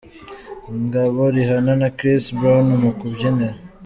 Ngabo, Rihanna na Chris Brown mu kabyiniro.